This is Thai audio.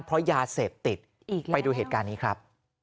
เพราะยาเสพติดไปดูเหตุการณ์นี้ครับ